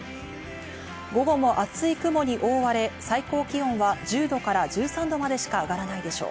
午後も厚い雲に覆われ、最高気温は１０度から１３度までしか上がらないでしょう。